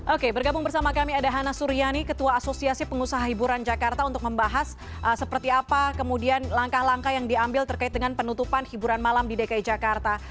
oke bergabung bersama kami ada hana suryani ketua asosiasi pengusaha hiburan jakarta untuk membahas seperti apa kemudian langkah langkah yang diambil terkait dengan penutupan hiburan malam di dki jakarta